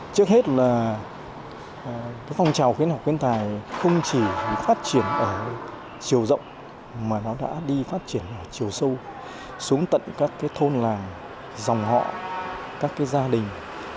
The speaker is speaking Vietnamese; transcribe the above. trước hết là phong trào khuyến học khuyến tài không chỉ phát triển ở chiều rộng mà nó đã đi phát triển ở chiều sâu xuống tận các thôn làng dòng họ các gia đình